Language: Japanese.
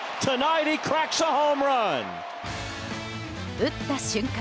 打った瞬間